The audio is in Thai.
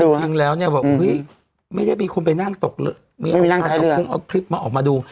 จริงแล้วเนี่ยบอกไม่ได้มีคนไปนั่งตกคงเอาคลิปมาออกมาดู